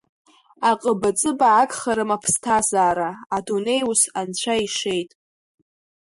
Аҟыбаӡыба агхарым аԥсҭазаара, адунеи ус анцәа ишеит.